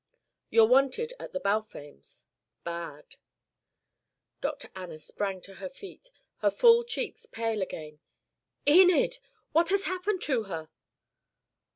You're wanted at the Balfames bad." Dr. Anna sprang to her feet, her full cheeks pale again. "Enid! What has happened to her?"